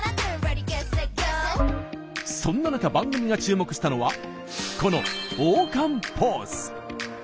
そんな中、番組が注目したのはこの王冠ポーズ。